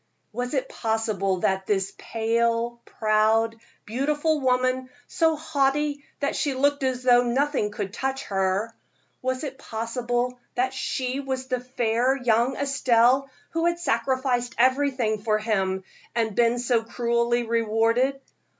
was it possible that this pale, proud, beautiful woman, so haughty that she looked as though nothing could touch her was it possible that she was the fair young Estelle who had sacrificed everything for him, and been so cruelly rewarded?